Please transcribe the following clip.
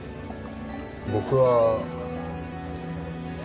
僕は。